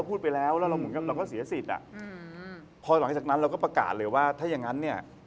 พอหลังจากนั้นเราก็ประกาศเลยว่าถ้าอย่างนั้นเนี่ย